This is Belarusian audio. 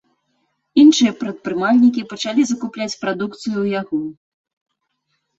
Іншыя прадпрымальнікі пачалі закупляць прадукцыю ў яго.